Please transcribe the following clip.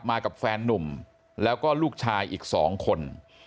กับแฟนนุ่มแล้วก็ลูกชายอีก๒คน